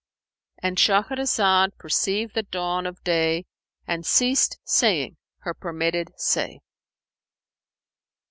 '"—And Shahrazad perceived the dawn of day and ceased saying her permitted say.